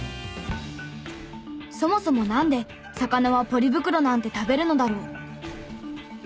そもそもなんで魚はポリ袋なんて食べるのだろう？